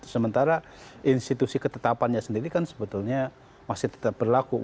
sementara institusi ketetapannya sendiri kan sebetulnya masih tetap berlaku